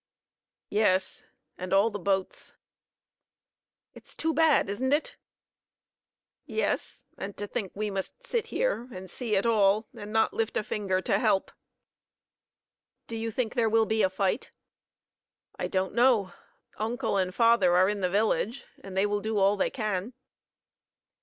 "Yes; and all the boats." "It's too bad; isn't it?" "Yes; and to think we must sit here and see it all and not lift a finger to help." "Do you think there will be a fight?" "I don't know. Uncle and father are in the village, and they will do all they can."